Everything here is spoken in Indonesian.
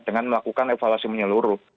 dengan melakukan evaluasi menyeluruh